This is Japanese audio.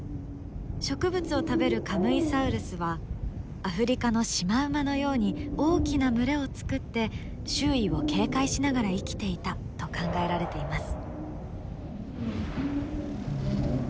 植物を食べるカムイサウルスはアフリカのシマウマのように大きな群れを作って周囲を警戒しながら生きていたと考えられています。